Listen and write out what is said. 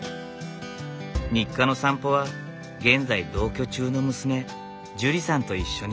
日課の散歩は現在同居中の娘ジュリさんと一緒に。